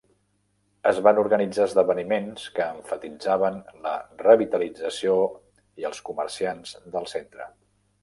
Es van organitzar esdeveniments que emfatitzaven la revitalització i els comerciants del centre.